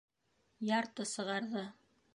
Ярты сығарҙы.